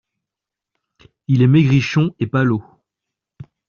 Il est maigrichon et palot.